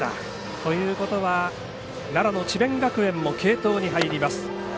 ということは奈良の智弁学園も継投に入ります。